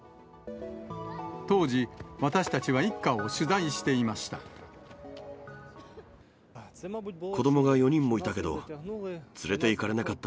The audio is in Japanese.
当時、私たちは一家を取材していました。